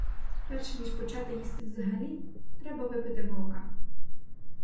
Перше ніж почати їсти взагалі, треба випити молока.